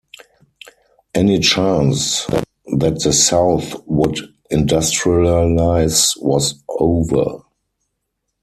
Any chance that the South would industrialize was over.